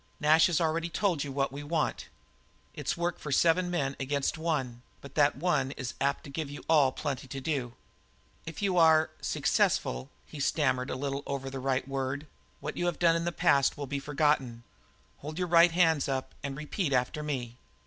Nash has already told you what we want. It's work for seven men against one, but that one man is apt to give you all plenty to do. If you are successful" he stammered a little over the right word "what you have done in the past will be forgotten. Hold up your right hands and repeat after me."